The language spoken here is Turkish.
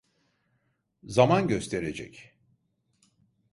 Zaman gösterecek.